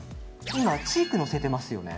今、チークのせてますよね。